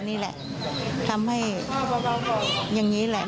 นี่แหละทำให้อย่างนี้แหละ